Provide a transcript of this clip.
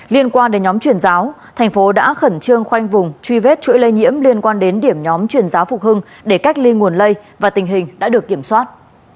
liên quan đến nhóm chuyển giáo thành phố đã khẩn trương khoanh vùng truy vết chuỗi lây nhiễm liên quan đến điểm nhóm chuyển giáo phục hưng để cách ly nguồn lây và tình hình đã được kiểm soát